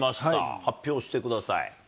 発表してください。